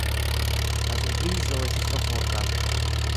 La surprizo estis tro forta.